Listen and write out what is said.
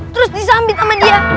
terus disambit sama dia